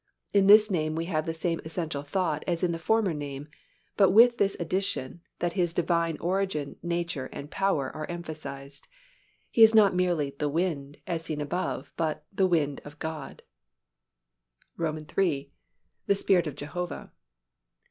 In this name we have the same essential thought as in the former name, but with this addition, that His Divine origin, nature and power are emphasized. He is not merely "The Wind" as seen above, but "The Wind of God." III. _The Spirit of Jehovah.